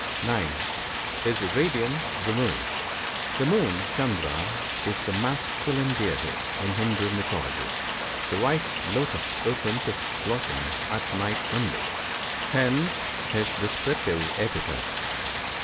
• (90 His radiance the moon. — The moon (Chandra) is a masculine deity in Hindoo mythology. The white lotus opens its blossoms at night only, hence his descriptive epithet.